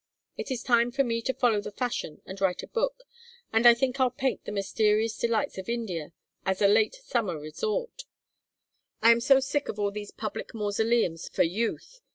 It is time for me to follow the fashion and write a book, and I think I'll paint the mysterious delights of India as a late autumn resort. I am so sick of all these public mausoleums for youth!